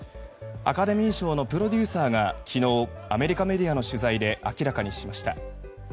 アカデミー賞のプロデューサーが昨日、アメリカメディアの取材で明らかにしました。